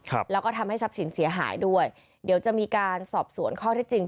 ครับแล้วก็ทำให้ทรัพย์สินเสียหายด้วยเดี๋ยวจะมีการสอบสวนข้อที่จริง